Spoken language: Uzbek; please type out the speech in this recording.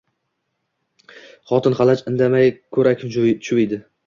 Xotin-xalaj indamay ko‘rak chuviydi.